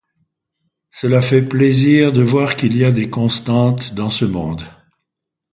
Cela fait plaisir de voir qu’il y a des constantes dans ce monde.